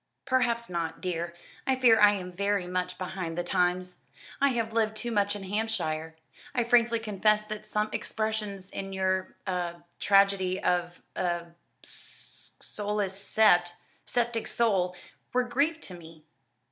"Perhaps not, dear. I fear I am very much behind the times. I have lived too much in Hampshire. I frankly confess that some expressions in your er Tragedy of er Soulless Scept Sceptic Soul were Greek to me."